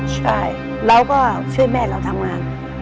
ใช่เราก็ช่วยแม่เราทำงาน